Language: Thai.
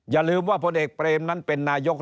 อย่าลืมว่าพลเอกเปรมนั้นเป็นนายก